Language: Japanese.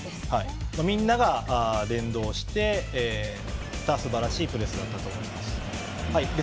みんなが連動してすばらしいプレスだったと思います。